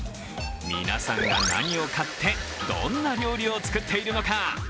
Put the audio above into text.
皆さんが何を買って、どんな料理を作っているのか？